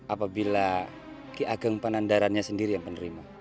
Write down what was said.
apabila ki ageng panandarannya sendiri yang menerima